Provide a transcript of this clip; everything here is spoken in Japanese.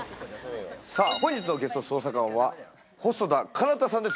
本日のゲスト捜査官は、細田佳央太さんです。